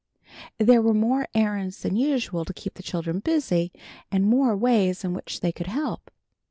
There were more errands than usual to keep the children busy, and more ways in which they could help.